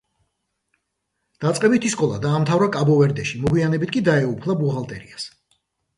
დაწყებითი სკოლა დაამთავრა კაბო-ვერდეში, მოგვიანებით კი დაეუფლა ბუღალტერიას.